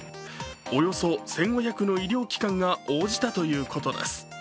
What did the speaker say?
およそ１５００の医療機関が応じたということです。